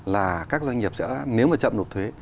là các doanh nghiệp sẽ nếu mà chậm nộp thuế